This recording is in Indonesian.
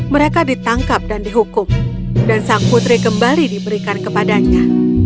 mereka ditangkap dan dihukum dan sang putri kembali diberikan kepadanya